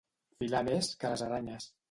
Filar més que les aranyes.